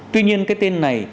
tuy nhiên cái tên này